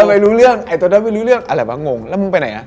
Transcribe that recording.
ไม่รู้เรื่องไอ้ตัวนั้นไม่รู้เรื่องอะไรวะงงแล้วมึงไปไหนนะ